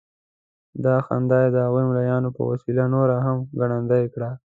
دغه خندا یې د هغو ملايانو په وسيله نوره هم ګړندۍ کړې.